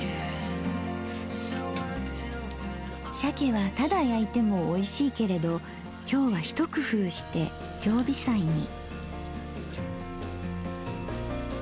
鮭はただ焼いてもおいしいけれど今日は一工夫して常備菜に。